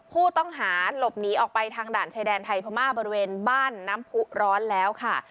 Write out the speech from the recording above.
ผู้ต้องหาหลบหนีออกไปทางด่านชายแดนไทยพม่าบริเวณบ้านน้ำผู้ร้อนแล้วค่ะ